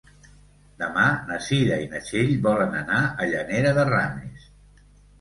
Demà na Cira i na Txell volen anar a Llanera de Ranes.